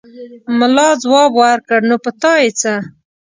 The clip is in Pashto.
ملا ځواب ورکړ: نو په تا يې څه!